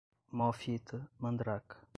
mó fita, mandraka